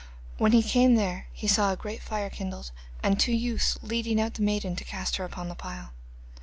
When he came there he saw a great fire kindled, and two youths leading out the maiden to cast her upon the pile.